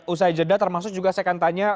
usai jeda termasuk juga saya akan tanya